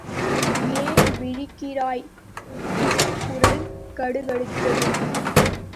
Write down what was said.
ஏன் விழிக்கிறாய்? உமாரின் குரல் கடுகடுத்தது.